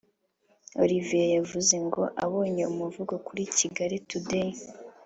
orivier yavuze ngo abonye umuvugo kuri kigali today